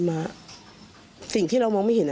ไม่ได้ยุ่งเกี่ยว